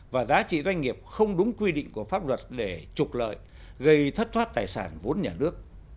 và giá trị doanh nghiệp không đúng quy định của pháp luật để trục lợi gây thất thoát tài sản vốn nhà nước